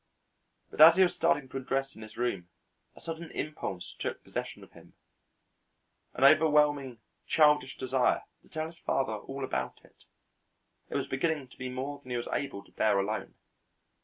But as he was starting to undress in his room a sudden impulse took possession of him, an overwhelming childish desire to tell his father all about it. It was beginning to be more than he was able to bear alone.